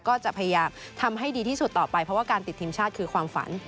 ก็จะพยายามทำให้ดีที่สุดต่อไปเพราะว่าการติดทีมชาติคือความฝัน